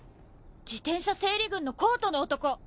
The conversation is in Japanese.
自転車整理軍のコートの男！